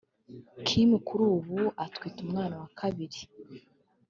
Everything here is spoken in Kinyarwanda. Kim kuri ubu utwite umwana wa kabiri